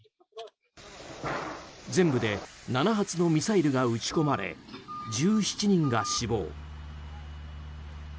全部で７発のミサイルが撃ち込まれ、１７人が死亡。